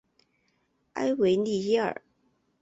埃维利耶尔。